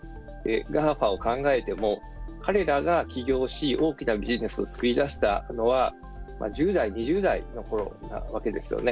ＧＡＦＡを考えても彼らが起業し大きなビジネスを作りだしたのは１０代、２０代のころなわけですよね。